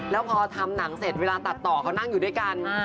แล้วพอทำหนังเสร็จเวลาตัดต่อเขานั่งอยู่ด้วยกัน